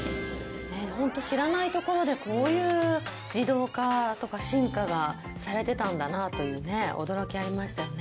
ホント知らないところでこういう自動化とか進化がされてたんだなというね驚きありましたよね。